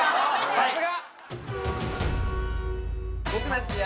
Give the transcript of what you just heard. さすが！